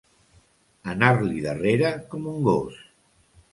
Anar-li darrere com un gos.